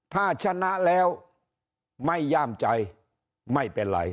ถ้าชนะแล้วไม่ย่ามใจไม่เป็นไร